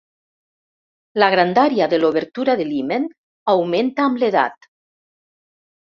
La grandària de l'obertura de l'himen augmenta amb l'edat.